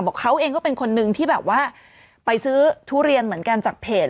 เขาเองก็เป็นคนนึงที่แบบว่าไปซื้อทุเรียนเหมือนกันจากเพจ